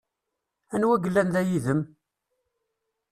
Anwa yellan da yid-m?